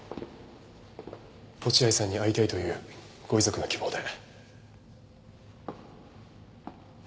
落合さんに会いたいというご遺族の希望で。